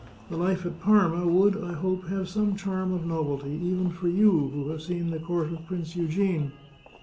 The life at Parma would, I hope, have some charm of nov elty, even for you who have seen the court of Prince Eugene.